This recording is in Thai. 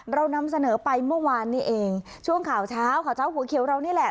เรานำเสนอไปเมื่อวานนี้เองช่วงข่าวเช้าข่าวเช้าหัวเขียวเรานี่แหละ